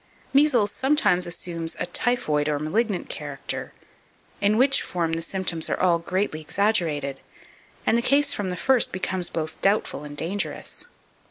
Measles sometimes assume a typhoid or malignant character, in which form the symptoms are all greatly exaggerated, and the case from the first becomes both doubtful and dangerous.